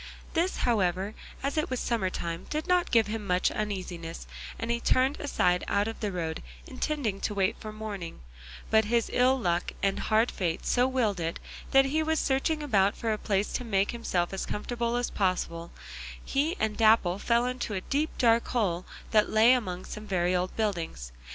This, however, as it was summer time, did not give him much uneasiness, and he turned aside out of the road intending to wait for morning; but his ill luck and hard fate so willed it that as he was searching about for a place to make himself as comfortable as possible, he and Dapple fell into a deep dark hole that lay among some very old buildings.